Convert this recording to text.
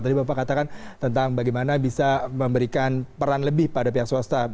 tadi bapak katakan tentang bagaimana bisa memberikan peran lebih pada pihak swasta